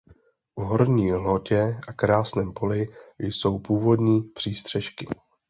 V Horní Lhotě a Krásném Poli jsou původní přístřešky.